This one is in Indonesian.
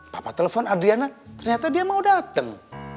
papa telepon adriana ternyata dia mau datang